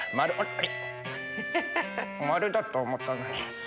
あれ⁉丸だと思ったのに。